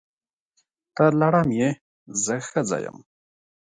ته لړم یې! زه ښځه یم.